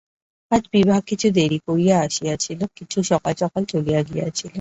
আজ বিভা কিছু দেরী করিয়া আসিয়াছিল, কিছু সকাল সকাল চলিয়া গিয়াছিল।